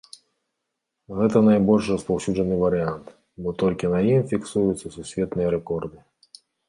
Гэта найбольш распаўсюджаны варыянт, бо толькі на ім фіксуюцца сусветныя рэкорды.